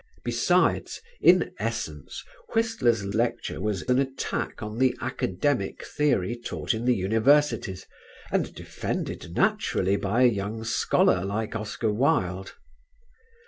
Besides, in essence, Whistler's lecture was an attack on the academic theory taught in the universities, and defended naturally by a young scholar like Oscar Wilde.